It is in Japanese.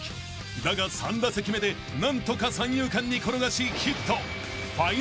［だが３打席目で何とか三遊間に転がしヒット］